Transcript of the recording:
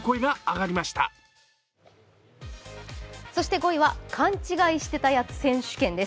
５位は、勘違いしてたやつ選手権です。